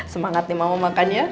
semangat nih mama makan ya